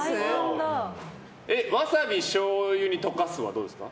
ワサビ、しょうゆに溶かすはどうですか？